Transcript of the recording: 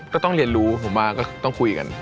ก็ต้องเรียนรู้ผมว่าก็ต้องคุยกัน